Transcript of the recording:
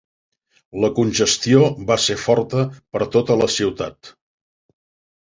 La congestió va ser forta per tota la ciutat.